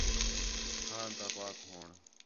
تھاں تا پاک ہووݨ